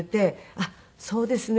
「あっそうですね。